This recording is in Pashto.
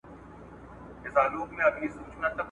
چاچي د جهاني صاحب ورکه مېنه لوستې وي ,